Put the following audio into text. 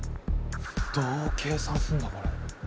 どう計算すんだこれ。